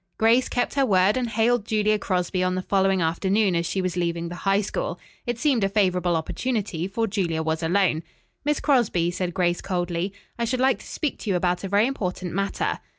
Grace kept her word and hailed Julia Crosby on the following afternoon as she was leaving the High School. It seemed a favorable opportunity for Julia was alone. "Miss Crosby," said Grace coldly. "I should like to speak to you about a very important matter."